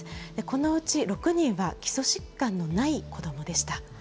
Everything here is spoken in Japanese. このうち６人は基礎疾患のない子どもでした。